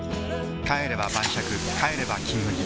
帰れば晩酌帰れば「金麦」